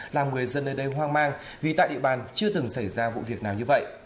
làm người dân nơi đây hoang mang vì tại địa bàn chưa từng xảy ra vụ việc nào như vậy